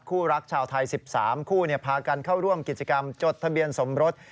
รักชาวไทย๑๓คู่พากันเข้าร่วมกิจกรรมจดทะเบียนสมรส